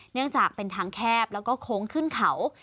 เนื่องจากเป็นทางแคบแล้วก็โค้งขึ้นเขา